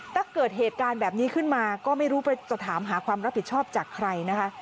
ถ้าเกิดเหตุการณ์แบบนี้ขึ้นมาก็ไม่รู้จะถามหาความรับผิดชอบจากใครนะคะ